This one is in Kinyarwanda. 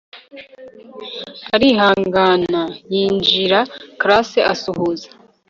arihangana yinjira class asuhuza